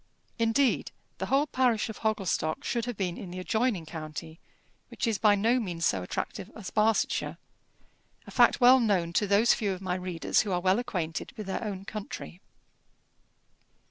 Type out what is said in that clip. Indeed the whole parish of Hogglestock should have been in the adjoining county, which is by no means so attractive as Barsetshire; a fact well known to those few of my readers who are well acquainted with their own country.